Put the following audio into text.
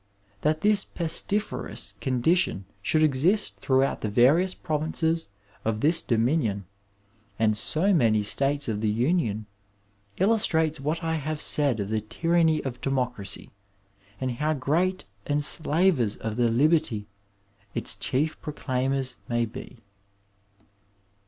That this pestiferous condition should exist throughout the various provinces oi this Dominion and so many States of the Union, iUustrates what I have said of the tyranny of democracy and how great enslavers of liberty its chief prodaimers may be.